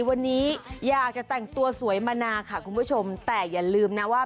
วันนี้อยากจะแต่งตัวสวยมานานค่ะคุณผู้ชมแต่อย่าลืมนะว่า